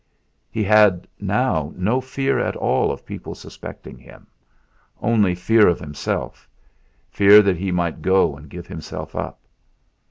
He had now no fear at all of people suspecting him; only fear of himself fear that he might go and give himself up.